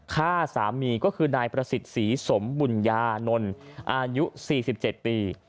ฆ่าสามีก็คือนายประสิทธิ์ศรีสมบุญญานนท์อายุ๔๗ปี